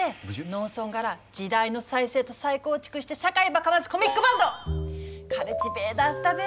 農村がら時代の再生と再構築して社会ばかますコミックバンドカルチベーターズだべ。